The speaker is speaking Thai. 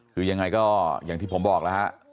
คือยังไงก็อย่างที่ผมบอกแล้วฮะ